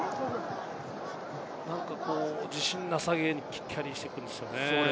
なんかこう自信なさげにキャリーしてるんですよね。